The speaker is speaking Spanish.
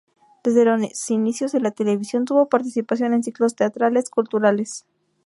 Desde los inicios de la televisión tuvo participación en ciclos teatrales, culturales.